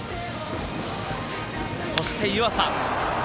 そして湯浅。